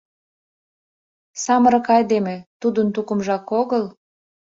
Самырык айдеме тудын тукымжак огыл?